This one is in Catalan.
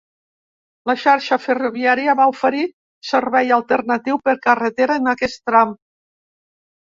La xarxa ferroviària va oferir servei alternatiu per carretera en aquest tram.